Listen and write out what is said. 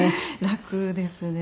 楽ですね。